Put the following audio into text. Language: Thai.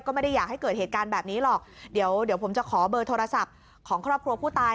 ก็ไม่ได้อยากให้เกิดเหตุการณ์แบบนี้หรอกเดี๋ยวเดี๋ยวผมจะขอเบอร์โทรศัพท์ของครอบครัวผู้ตาย